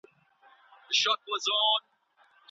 د خپلي کتابچې ساتل د هر زده کوونکي دنده ده.